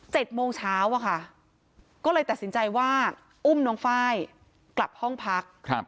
โมงเช้าอะค่ะก็เลยตัดสินใจว่าอุ้มน้องไฟล์กลับห้องพักครับ